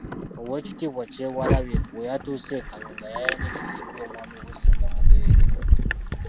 Oweekitiibwa Kyewalabye bwe yatuuse e Kayunga yayaniriziddwa omwami w’essaza Mugerere.